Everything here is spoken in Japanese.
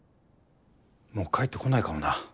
もう帰ってこないかもな。